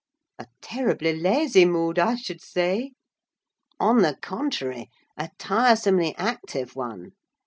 "A terribly lazy mood, I should say." "On the contrary, a tiresomely active one.